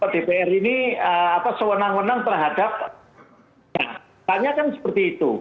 dpr ini sewenang wenang terhadap jabatannya kan seperti itu